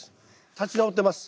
立ち直ってます。